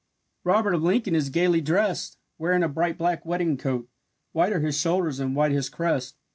Robert of Lincoln is gaily drest, Wearing a bright black wedding coat, White are his shoulders and white his crest.